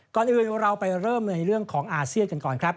ก่อนอื่นเราไปเริ่มในเรื่องของอาเซียนกันก่อนครับ